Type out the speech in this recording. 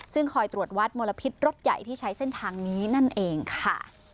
ซึ่งคอยตรวจวัดมลพิษรถใหญ่ที่ใช้เส้นทางนี้นั่นเองค่ะ